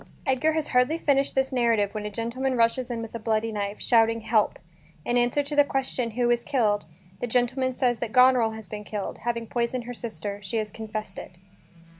Edgar has hardly finished this narrative when a gentleman rushes in with a bloody knife, shouting "Help!" In answer to the question, "Who is killed?" the gentleman says that Goneril has been killed, having poisoned her sister, she has confessed it.